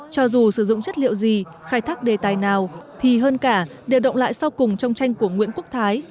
cho dù sử dụng chất liệu gì khai thác đề tài nào thì hơn cả đều động lại sau cùng trong tranh của nguyễn quốc thái